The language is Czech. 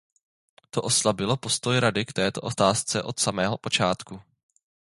To oslabilo postoj Rady k této otázce od samého počátku.